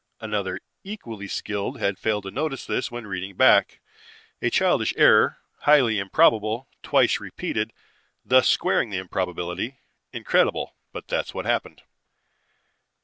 Another equally skilled had failed to notice this when reading back. A childish error, highly improbable; twice repeated, thus squaring the improbability. Incredible, but that's what happened.